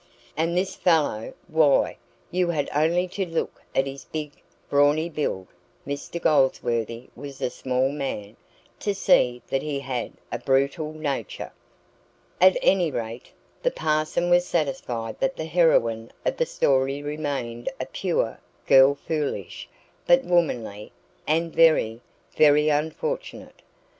And this fellow why, you had only to look at his big, brawny build (Mr Goldsworthy was a small man) to see that he had a brutal nature. At any rate, the parson was satisfied that the heroine of the story remained a "pure" girl foolish, but womanly, and very, very unfortunate.